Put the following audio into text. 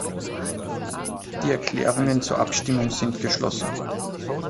Die Erklärungen zur Abstimmung sind geschlossen..